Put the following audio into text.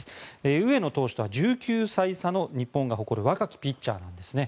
上野投手とは１９歳差の日本が誇る若きピッチャーなんですね。